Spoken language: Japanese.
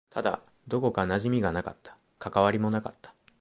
ただ、どこか馴染みがなかった。関わりもなかった。